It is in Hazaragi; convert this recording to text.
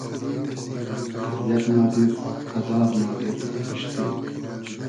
قئد یئگ نادیر ازار نادیر رۂ کوشتی